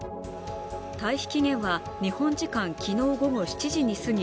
退避通告は日本時間昨日午後２時過ぎ。